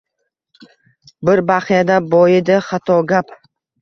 Bir baxyada boyidi xato gap